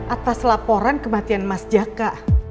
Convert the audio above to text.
atas laporan kematian mas jaka